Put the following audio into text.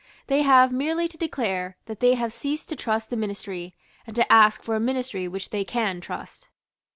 They have merely to declare that they have ceased to trust the Ministry, and to ask for a Ministry which they can trust.